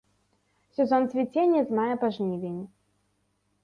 Сезон цвіцення з мая па жнівень.